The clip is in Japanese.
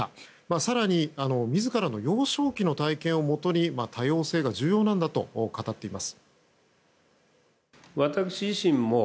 更に自らの幼少期の体験をもとに多様性が重要なんだと語っています。